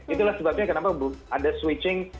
itulah sebabnya kenapa ada switching